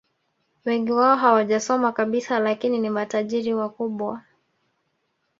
Wengi wao hawajasoma kabisa lakini ni matajiri wakubwa